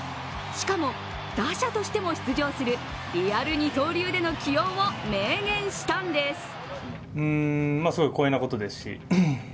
しかも、打者としても出場するリアル二刀流での起用を明言したんです。